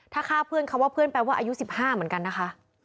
ถ้าฆ่าเพื่อนคำว่าเพื่อนแปลว่าอายุ๑๕เหมือนกันนะคะ